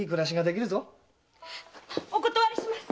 お断りします！